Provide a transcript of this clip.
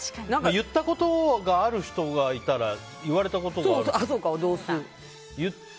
言ったことがある人がいたら言われたことがある人もいる。